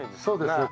そうです